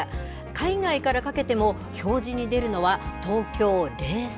海外からかけても表示に出るのは東京０３。